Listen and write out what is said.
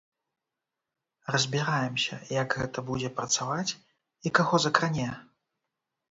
Разбіраемся, як гэта будзе працаваць і каго закране.